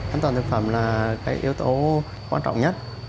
an toàn thực phẩm là cái yếu tố quan trọng nhất